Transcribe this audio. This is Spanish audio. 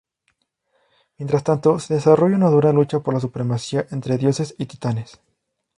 Mientras tanto, se desarrolla una dura lucha por la supremacía entre dioses y titanes.